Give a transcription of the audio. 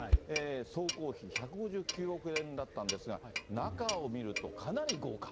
総工費１５９億円だったんですが、中を見ると、かなり豪華。